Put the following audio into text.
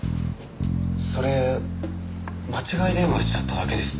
それ間違い電話しちゃっただけです。